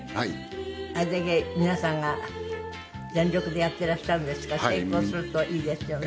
あれだけ皆さんが全力でやっていらっしゃるんですから成功するといいですよね。